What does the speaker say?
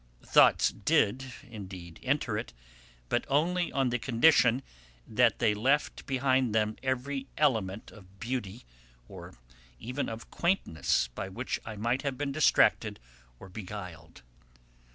Thoughts did, indeed, enter it, but only on the condition that they left behind them every element of beauty, or even of quaintness, by which I might have been distracted or beguiled.